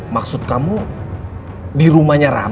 maksud kamu di rumahnya ramah